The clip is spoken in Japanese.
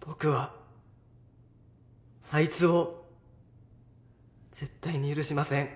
僕はあいつを絶対に許しません。